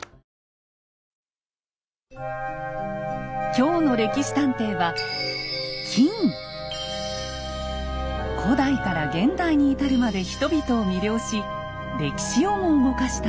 今日の「歴史探偵」は古代から現代に至るまで人々を魅了し歴史をも動かした